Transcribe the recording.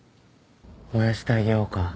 燃やしてあげようか？